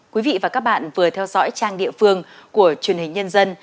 quý vị và các bạn vừa theo dõi trang địa phương của truyền hình nhân dân